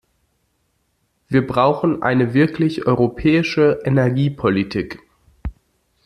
Wir brauchen eine wirklich europäische Energiepolitik.